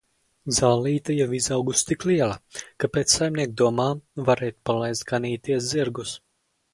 Zālīte jau izaugusi tik liela, ka pēc saimnieka domām varētu palaist ganīties zirgus.